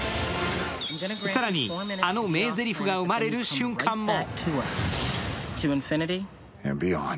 更に、あの名ぜりふが生まれる瞬間も。